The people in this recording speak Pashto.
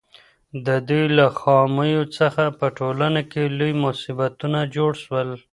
د دوی له خامیو څخه په ټولنه کي لوی مصیبتونه جوړ سول.